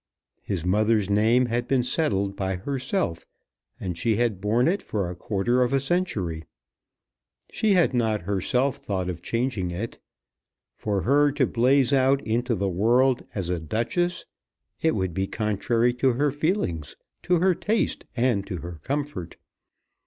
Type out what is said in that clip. His mother's name had been settled by herself, and she had borne it for a quarter of a century. She had not herself thought of changing it. For her to blaze out into the world as a Duchess, it would be contrary to her feelings, to her taste, and to her comfort!